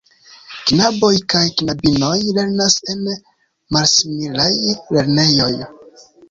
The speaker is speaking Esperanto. Knaboj kaj knabinoj lernas en malsimilaj lernejoj.